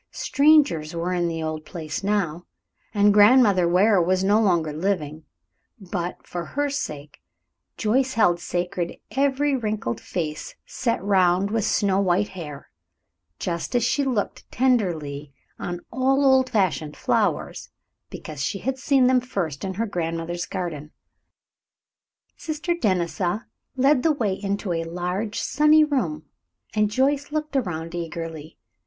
Strangers were in the old place now, and Grandmother Ware was no longer living, but, for her sake, Joyce held sacred every wrinkled face set round with snow white hair, just as she looked tenderly on all old fashioned flowers, because she had seen them first in her grandmother's garden. Sister Denisa led the way into a large, sunny room, and Joyce looked around eagerly.